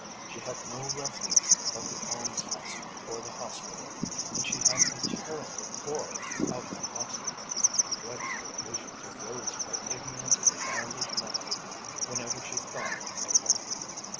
She had no refuge but the alms house or the hospital, and she had a terrible horror of a hospital. Dreadful visions arose in her ignorant childish mind whenever she thought of one.